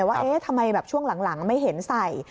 ว่าทำไมช่วงหลังไม่เห็นใส่